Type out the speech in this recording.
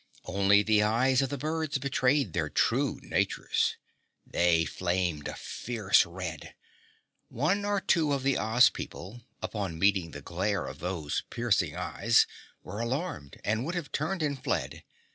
Only the eyes of the birds betrayed their true natures. They flamed a fierce red. One or two of the Oz people, upon meeting the glare of those piercing eyes, were alarmed and would have turned and fled.